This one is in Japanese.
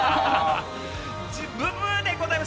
ブブでございます。